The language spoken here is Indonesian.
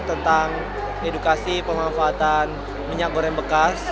tentang edukasi pemanfaatan minyak goreng bekas